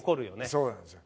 そうなんですよ。